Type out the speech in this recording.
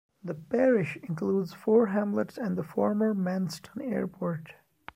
The parish includes four hamlets and the former Manston Airport.